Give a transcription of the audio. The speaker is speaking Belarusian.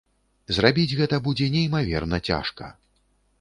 Зрабіць гэта будзе неймаверна цяжка.